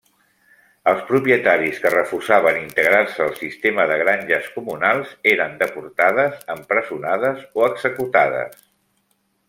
Els propietaris que refusaven integrar-se al sistema de granges comunals eren deportades, empresonades o executades.